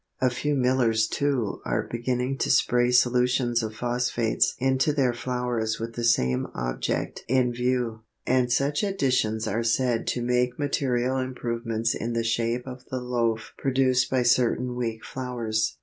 A few millers too are beginning to spray solutions of phosphates into their flours with the same object in view, and such additions are said to make material improvements in the shape of the loaf produced by certain weak flours.